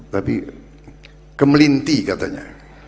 tapi kemelinti katanya